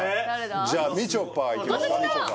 じゃみちょぱいきますか私だ！